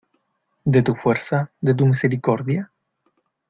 ¿ de tu fuerza, de tu misericordia?